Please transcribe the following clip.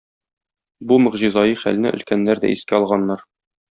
Бу могҗизаи хәлне өлкәннәр дә искә алганнар.